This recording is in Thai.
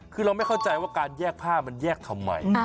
คือเราไม่เข้าใจว่าการแยกผ้ามันแยกทำไม